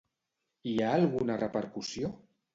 Hi ha alguna repercussió?